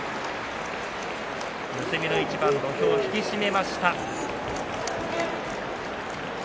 結びの一番土俵を引き締めました。